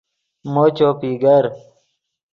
مو چوپی گر